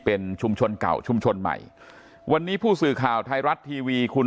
เป็นชุมชนเก่าชุมชนใหม่วันนี้ผู้สื่อข่าวไทยรัฐทีวีคุณ